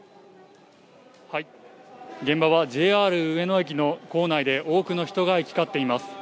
現場はＪＲ上野駅の構内で、多くの人が行き交っています。